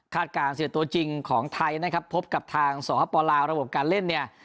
คาดกลางสิทธิ์ตัวจริงของไทยนะครับพบกับทางสหปลาระบบการเล่นเนี่ย